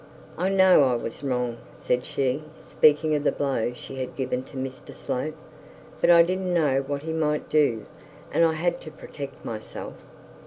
'I know I was wrong,' said she, speaking of the blow she had given to Mr Slope; 'but I didn't know what he might do, and I had to protect myself.'